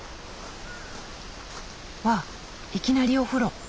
わっいきなりお風呂。